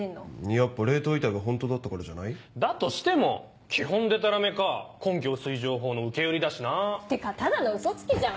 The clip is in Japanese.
やっぱ冷凍遺体が本当だったからじゃない？だとしても基本デタラメか根拠薄い情報の受け売りだしなぁ。ってかただのウソつきじゃん。